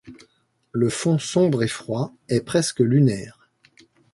Le fond sombre et froid est presque lunaire.